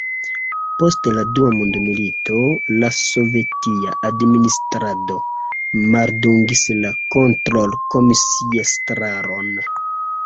Post la Dua mondmilito la sovetia administrado maldungis la kontrolkomisiestraron.